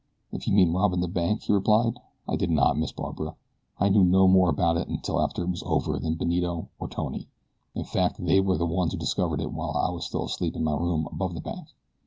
"If you mean robbing the bank," he replied; "I did not, Miss Barbara. I knew no more about it until after it was over than Benito or Tony in fact they were the ones who discovered it while I was still asleep in my room above the bank."